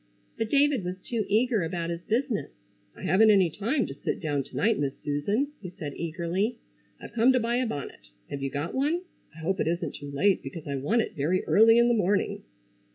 But David was too eager about his business. "I haven't any time to sit down to night, Miss Susan," he said eagerly, "I've come to buy a bonnet. Have you got one? I hope it isn't too late because I want it very early in the morning."